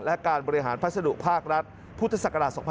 และการบริหารพัฒนธุภาครัฐพศ๒๕๖๐